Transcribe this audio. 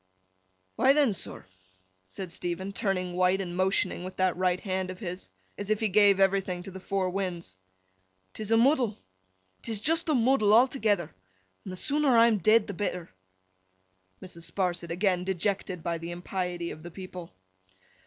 'Why then, sir,' said Stephen, turning white, and motioning with that right hand of his, as if he gave everything to the four winds, ''tis a muddle. 'Tis just a muddle a'toogether, an' the sooner I am dead, the better.' (Mrs. Sparsit again dejected by the impiety of the people.)